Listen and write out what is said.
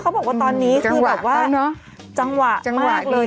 บอกว่าตอนนี้คือแบบว่าจังหวะมากเลย